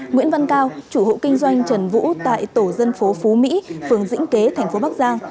nguyễn văn cao chủ hộ kinh doanh trần vũ tại tổ dân phố phú mỹ phường dĩnh kế thành phố bắc giang